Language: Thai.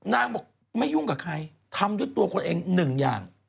นางบอกไม่ยุ่งกับใครทำด้วยตัวคนเองหนึ่งอย่าง